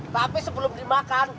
tapi sebelum dimakan